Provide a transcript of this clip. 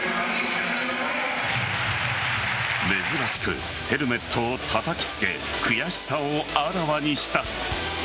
珍しくヘルメットをたたきつけ悔しさをあらわにした。